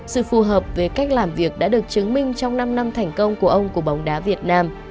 sự phù hợp về cách làm việc đã được chứng minh trong năm năm thành công của ông của bóng đá việt nam